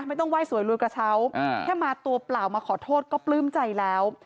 ไม่ต้องไห้สวยรวยกระเช้าแค่มาตัวเปล่ามาขอโทษก็ปลื้มใจแล้ว